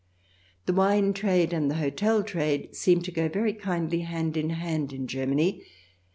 The wine trade and the hotel trade seem to go very kindly hand in hand in Germany.